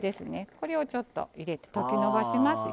これをちょっと入れて溶きのばしますよ。